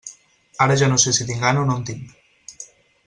Ara ja no sé si tinc gana o no en tinc.